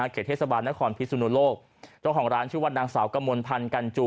เขตเทศบาลนครพิสุนุโลกเจ้าของร้านชื่อว่านางสาวกมลพันธ์กันจู